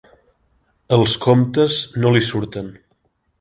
Els comptes no li surten.